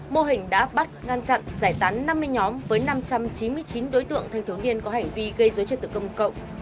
mô hình đã bắt ngăn chặn giải tán năm mươi nhóm với năm trăm chín mươi chín đối tượng thanh thiếu niên có hành vi gây dối trật tự công cộng